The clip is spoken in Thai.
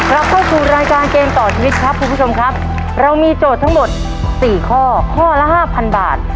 เราเข้าสู่รายการเกมต่อชีวิตครับคุณผู้ชมครับเรามีโจทย์ทั้งหมดสี่ข้อข้อละห้าพันบาท